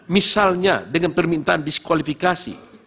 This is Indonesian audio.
misalnya dengan permintaan diskualifikasi